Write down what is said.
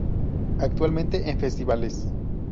Actualmente en festivales.